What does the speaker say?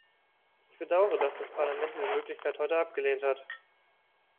Ich bedaure, dass das Parlament diese Möglichkeit heute abgelehnt hat.